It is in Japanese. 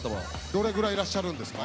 どれぐらいいらっしゃるんですか？